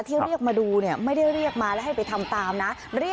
เรียกมาดูเนี่ยไม่ได้เรียกมาแล้วให้ไปทำตามนะ